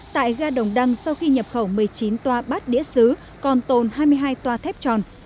tại ga đồng đăng sau khi nhập khẩu một mươi chín toa bát đĩa xứ còn tồn hai mươi hai toa thép tròn